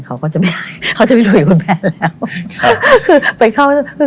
เขาก็จะไม่รวยคุณแม่แล้ว